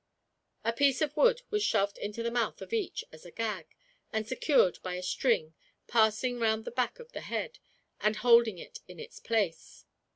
A piece of wood was shoved into the mouth of each, as a gag; and secured by a string, passing round the back of the head, and holding it in its place.